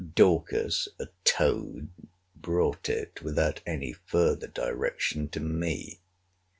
Dorcas, a toad, brought it, without any further direction to me.